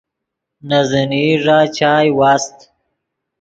نے زینئی ݱا چائے واست